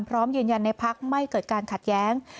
พร้อมยืนยันในพักไม่เกิดการขัดแย้ง